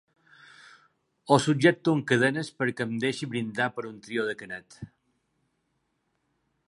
Ho subjecto amb cadenes perquè em deixi brindar per un trio de Canet.